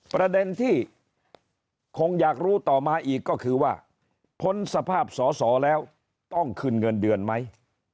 ประเด็นที่คงอยากรู้ต่อมาอีกก็คือว่าพ้นสภาพสอสอแล้วต้องคืนเงินเดือนไหม